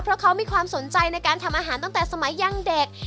เพราะเขามีความสนใจในการทำอาหารตั้งแต่สมัยยังเด็ก